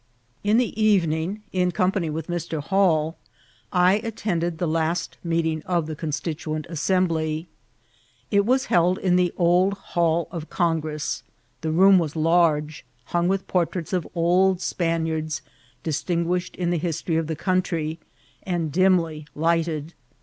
In the evening, in company with Mr. Hall, I attend ed the last meeting of the Constituent Assembly. It was held in the old Hall of Congress ; the room wasi large, hung with portraits of old Spaniards distinguish ed in the history of the country, and dimly lighted.